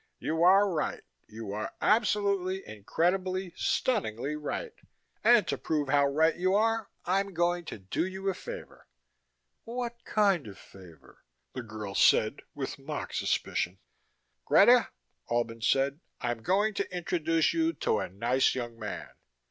"You are right. You are absolutely, incredibly, stunningly right. And to prove how right you are I'm going to do you a favor." "What kind of favor?" the girl said with mock suspicion. "Greta," Albin said, "I'm going to introduce you to a nice young man."